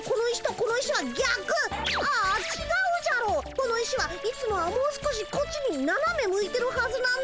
この石はいつもはもう少しこっちにななめ向いてるはずなんだ。